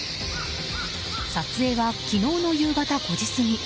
撮影は、昨日の夕方５時過ぎ。